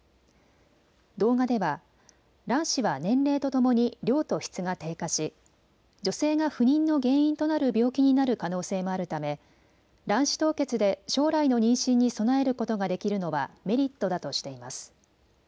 動画では卵子は年齢とともに量と質が低下し女性が不妊の原因となる病気になる可能性もあるため卵子凍結で将来の妊娠に備えることができるのはメリットだとしています。